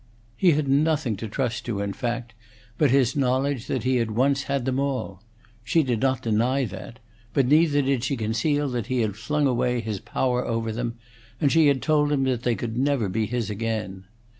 He had nothing to trust to, in fact, but his knowledge that he had once had them all; she did not deny that; but neither did she conceal that he had flung away his power over them, and she had told him that they never could be his again.